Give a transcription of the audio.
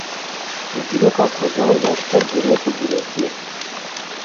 di dîroka Kurdan de pir girîng û dîrokî ye